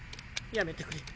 やめてくれ。